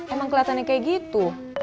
emang kelihatannya kayak gitu